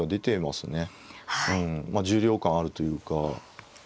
まあ重量感あるというか。